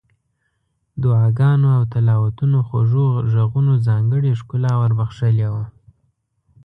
دعاګانو او تلاوتونو خوږو غږونو ځانګړې ښکلا ور بخښلې وه.